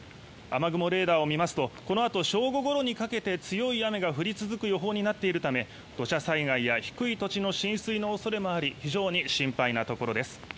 雨雲レーダーを見ますとこのあと正午ごろにかけて強い雨が降り続く予報になっているため土砂災害や低い土地の浸水の恐れもあり非常に心配なところです。